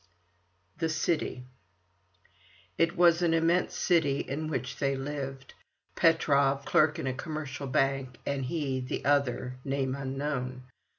THE CITY It was an immense city in which they lived: Petrov, clerk in a commercial bank, and he, the other,—name unknown.